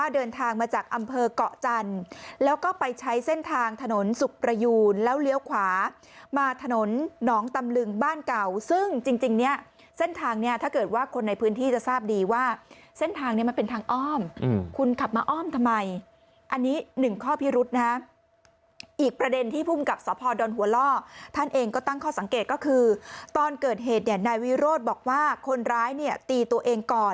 เส้นทางมาจากอำเภอกเกาะจันทร์แล้วก็ไปใช้เส้นทางถนนสุกประยูนแล้วเลี้ยวขวามาถนนหนองตำลึงบ้านเก่าซึ่งจริงเนี่ยเส้นทางเนี่ยถ้าเกิดว่าคนในพื้นที่จะทราบดีว่าเส้นทางเนี่ยมันเป็นทางอ้อมคุณขับมาอ้อมทำไมอันนี้หนึ่งข้อพิรุธนะอีกประเด็นที่ภูมิกับสภพดอนหัวล่อท่านเองก็ตั้งข้อสัง